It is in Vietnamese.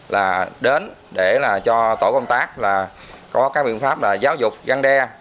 là đến để cho tội công tác có các biện pháp giáo dục găng đe